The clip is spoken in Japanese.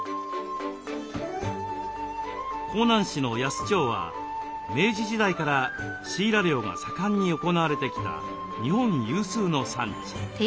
香南市の夜須町は明治時代からシイラ漁が盛んに行われてきた日本有数の産地。